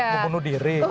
bukan untuk diri